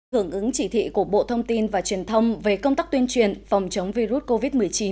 hưởng ứng chỉ thị của bộ thông tin và truyền thông về công tác tuyên truyền phòng chống virus covid một mươi chín